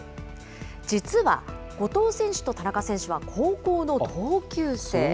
実は後藤選手と田中選手は高校の同級生。